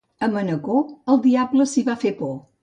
A Manacor el diable s'hi va fer por.